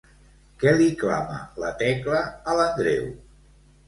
Què li clama, la Tecla a l'Andreu?